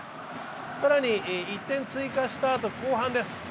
更に１点追加したあと後半です。